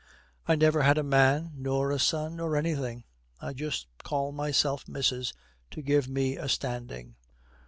'I never had a man nor a son nor anything. I just call myself Missis to give me a standing.'